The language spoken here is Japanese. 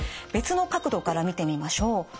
別の角度から見てみましょう。